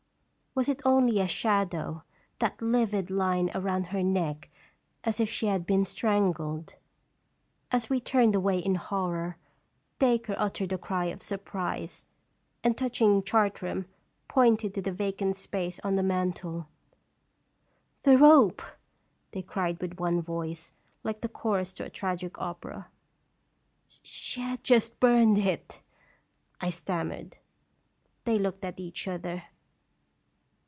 Was it only a shadow, that livid line around her neck as if she had been strangled? As we turned away in horror, Dacre uttered a cry of surprise, and touching Chartram, pointed to the vacant space on the mantel. "The rope?" they cried with one voice, like the chorus to a tragic opera. " She had just burned it," 1 stammered. They looked at each other.